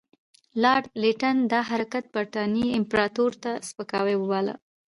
لارډ لیټن دا حرکت برټانیې امپراطوري ته سپکاوی وباله.